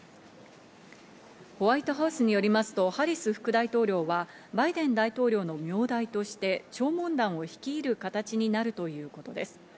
ホワイトハウスによりますと、ハリス副大統領はバイデン大統領の名代として弔問団を率いる形になるということです。